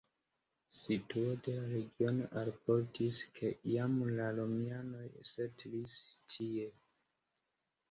Situo de la regiono alportis, ke jam la romianoj setlis tie.